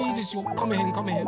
かめへんかめへん。